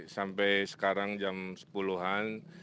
sampai sekarang jam sepuluh an